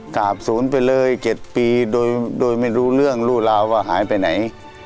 กราบศูนย์ไปเลย๗ปีโดยไม่รู้เรื่องรู้ราวว่าหายไปไหน